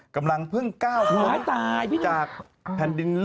กำลังเพิ่งก้าวหัวตายจากแผ่นดิน